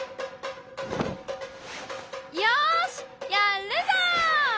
よしやっるぞ！